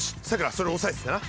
それ押さえててな。